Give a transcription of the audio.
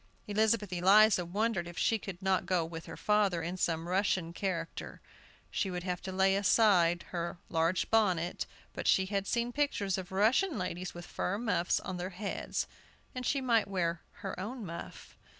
Elizabeth Eliza wondered if she could not go with her father in some Russian character. She would have to lay aside her large bonnet, but she had seen pictures of Russian ladies, with fur muffs on their heads, and she might wear her own muff.